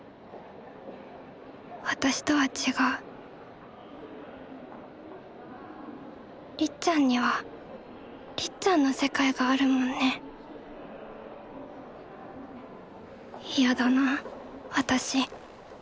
私とは違うりっちゃんにはりっちゃんの世界があるもんね嫌だな私。